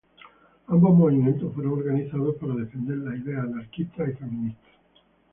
Ambos movimientos fueron organizados para defender las ideas anarquistas y feministas.